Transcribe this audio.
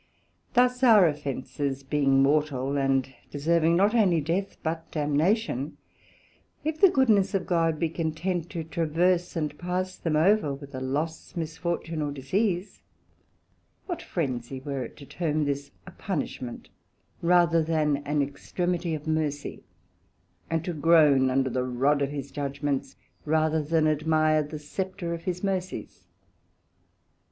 Thus our offences being mortal, and deserving not onely Death, but Damnation; if the goodness of God be content to traverse and pass them over with a loss, misfortune, or disease; what frensie were it to term this a punishment, rather than an extremity of mercy; and to groan under the rod of his Judgements, rather than admire the Scepter of his Mercies?